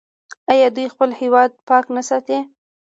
آیا دوی خپل هیواد پاک نه ساتي؟